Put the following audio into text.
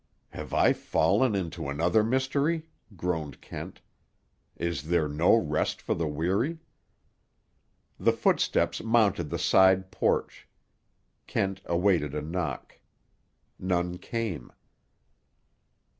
"Have I fallen into another mystery?" groaned Kent. "Is there no rest for the weary?" The footsteps mounted the side porch. Kent awaited a knock. None came.